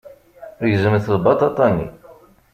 Gezmet lbaṭaṭa-nni.